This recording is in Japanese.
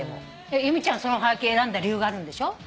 由美ちゃんそのはがき選んだ理由があるんでしょ？